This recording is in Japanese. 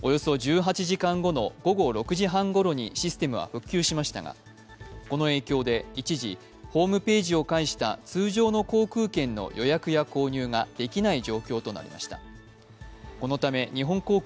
およそ１８時間後の午後６時半ごろにシステムは復旧しましたがシステムは復旧しましたが、この影響で一時ホームページを介した通常の航空券の予約や購入ができない状況となりました。